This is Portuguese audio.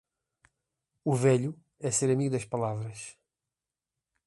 O velho é ser amigo das palavras.